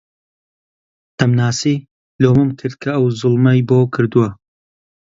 دەمناسی، لۆمەم کرد کە ئەو زوڵمەی بۆ کردووە